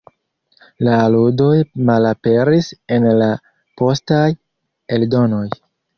La aludoj malaperis en la postaj eldonoj.